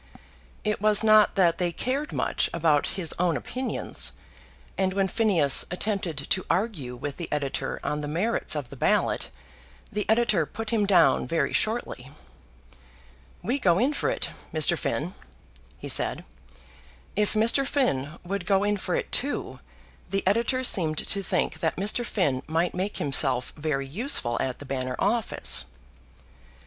It was not that they cared much about his own opinions; and when Phineas attempted to argue with the editor on the merits of the ballot, the editor put him down very shortly. "We go in for it, Mr. Finn," he said. If Mr. Finn would go in for it too, the editor seemed to think that Mr. Finn might make himself very useful at the Banner Office.